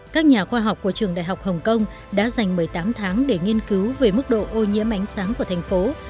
các nhà khoa học của trường đại học hồng kông đã dành một mươi tám tháng để nghiên cứu về mức độ ô nhiễm ánh sáng của thành phố